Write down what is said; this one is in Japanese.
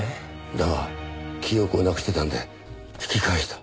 だが記憶をなくしてたんで引き返した。